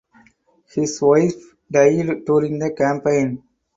His wife died during the campaign.